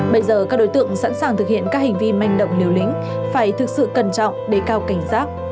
bây giờ các đối tượng sẵn sàng thực hiện các hành vi manh động liều lĩnh phải thực sự cẩn trọng để cao cảnh giác